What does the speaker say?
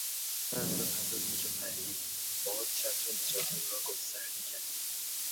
چند لحظه پس از اینکه پرید باد چتر نجات او را گسترده کرد.